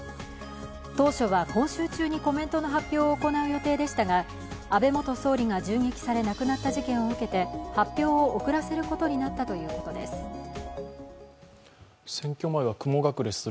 当初は今週中にコメントの発表を行う予定でしたが安倍元総理が銃撃され亡くなった事件を受けて発表を遅らせることになったということです。